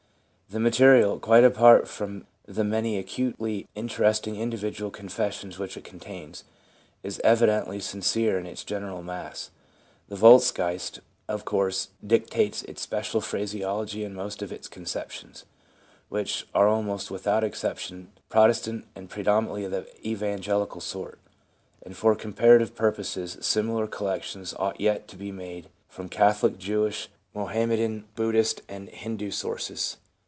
The material, quite apart from the many acutely interesting individual confessions which it contains, is evidently sincere in its general mass. The Volksgeist of course dictates its special phraseology and most of its conceptions, which are almost without exception Protestant, and predominantly of the Evangelical sort; and for comparative purposes similar collections ought yet to be made from Catholic, Jewish, Mohammedan, Buddhist and Hindoo sources.